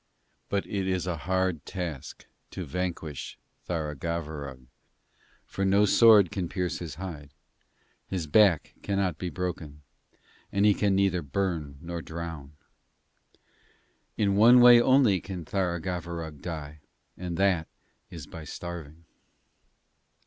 But it is a hard task to vanquish Tharagavverug, for no sword can pierce his hide; his back cannot be broken, and he can neither burn nor drown. In one way only can Tharagavverug die, and that is by starving.'